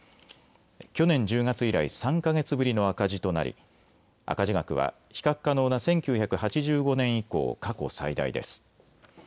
去年１０月以来、３か月ぶりの赤字となり赤字額は比較可能な１９８５年以降、過去最大です。